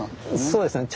そうですね